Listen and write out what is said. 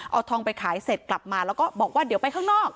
เอาทองไปขายเสร็จกลับมาแล้วก็บอกว่าเดี๋ยวไปข้างนอก